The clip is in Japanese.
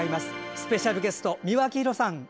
スペシャルゲスト美輪明宏さん。